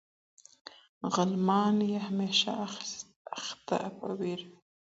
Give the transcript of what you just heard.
غلیمان یې همېشمه اخته په ویر وي